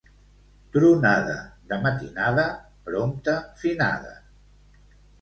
Tronada de matinada, prompte finada.